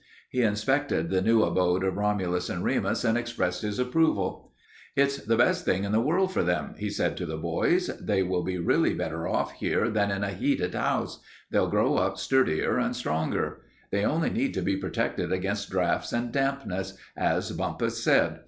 He inspected the new abode of Romulus and Remus and expressed his approval. "It's the best thing in the world for them," he said to the boys. "They will be really better off here than in a heated house. They'll grow up sturdier and stronger. They only need to be protected against draughts and dampness, as Bumpus said.